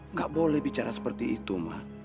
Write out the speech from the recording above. nggak boleh bicara seperti itu mah